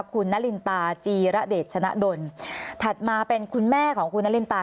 คุณนารินตาจีระเดชชนะดลถัดมาเป็นคุณแม่ของคุณนารินตา